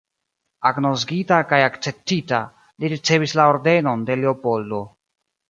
Agnoskita kaj akceptita, li ricevis la Ordenon de Leopoldo.